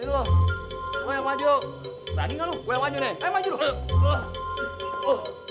gua yang maju